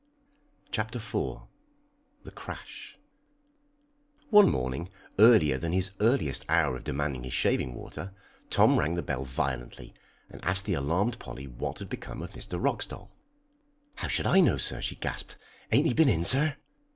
CHAPTER IV. THE CRASH. One morning, earlier than his earliest hour of demanding his shaving water, Tom rang the bell violently and asked the alarmed Polly what had become of Mr. Roxdal. "How should I know, sir?" she gasped. "Ain't he been in, sir?"